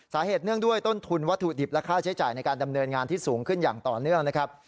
เนื่องด้วยต้นทุนวัตถุดิบและค่าใช้จ่ายในการดำเนินงานที่สูงขึ้นอย่างต่อเนื่องนะครับ